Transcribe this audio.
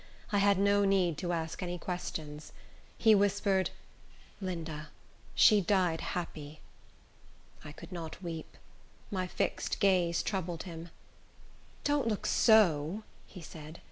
I had no need to ask any questions. He whispered, "Linda, she died happy." I could not weep. My fixed gaze troubled him. "Don't look so" he said.